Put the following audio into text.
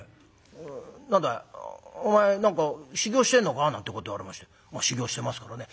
「何だいお前何か修業してんのか？」なんてこと言われまして修業してますからね